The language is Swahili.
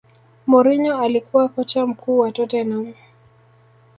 mourinho alikuwa kocha mkuu wa tottenham